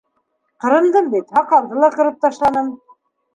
Ҡырындым бит, һаҡалды ла ҡырып ташланым...